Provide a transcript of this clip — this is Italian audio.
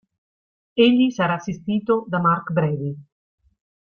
Egli sarà assistito da Mark Brady.